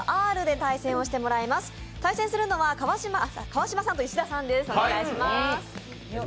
対戦するのは川島さんと石田さんです。